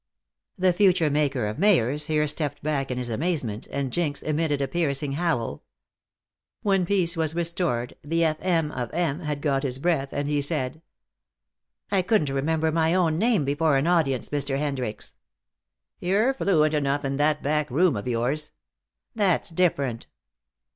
The future maker of mayors here stepped back in his amazement, and Jinx emitted a piercing howl. When peace was restored the F.M. of M. had got his breath, and he said: "I couldn't remember my own name before an audience, Mr. Hendricks." "You're fluent enough in that back room of yours." "That's different."